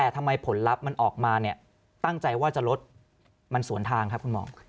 แต่ทำไมผลลัพธ์มันออกมาเนี่ยตั้งใจว่าจะลดมันสวนทางครับคุณหมอ